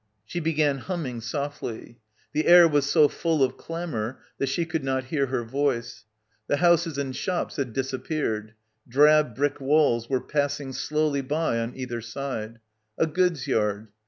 She began humming softly. The air was so full of clamour that she could not hear her voice. The houses and shops had dis appeared. Drab brick walls were passing slowly by on either side. A goods' yard.